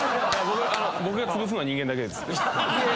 僕がつぶすのは人間だけです。